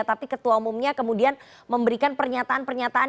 tapi ketua umumnya kemudian memberikan pernyataan pernyataan